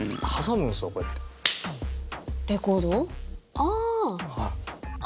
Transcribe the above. ああ！